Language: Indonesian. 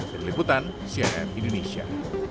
dari liputan crn indonesia